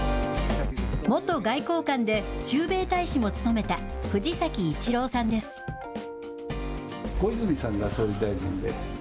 元外交官で駐米大使も務めた藤崎小泉さんが総理大臣で。